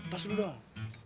tos dulu dong